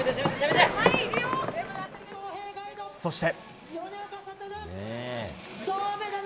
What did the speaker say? そして。